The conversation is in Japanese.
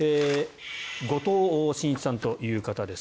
後藤慎一さんという方です。